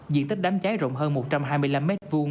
diện tích đám cháy rộng hơn một trăm hai mươi năm m hai